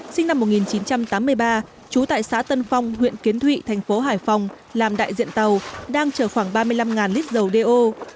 sinh năm một nghìn chín trăm tám mươi ba trú tại xã tân phong huyện kiến thụy thành phố hải phòng làm đại diện tàu đang chở khoảng ba mươi năm lít dầu đeo